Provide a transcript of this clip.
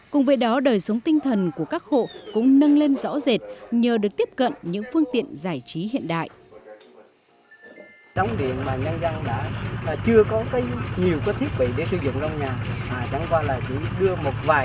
cùng với đó đời sống tinh thần của các hộ cũng nâng lên rõ rệt nhờ được tiếp cận những phương tiện giải trí hiện đại